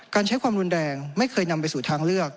การใช้ความรุนแรงไม่เคยนำไปสู่ทางเลือก